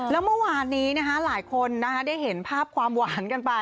แล้วเมื่อวานนี้หลายคนได้เห็นภาพความหวานกันไป